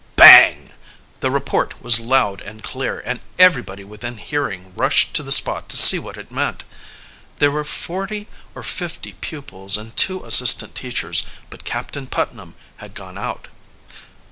Bang! The report was loud and clear, and everybody within hearing rushed to the spot to see what it meant. There were forty or fifty pupils and two assistant teachers, but Captain Putnam had gone out.